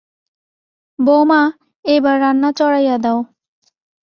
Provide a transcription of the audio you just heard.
বউমা, এইবার রান্না চড়াইয়া দাও।